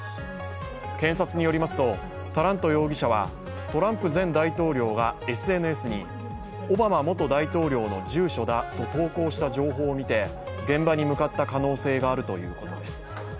検察によりますと、タラント容疑者はトランプ前大統領がＳＮＳにオバマ元大統領の住所だと投稿した情報を見て現場に向かった可能性があるということです。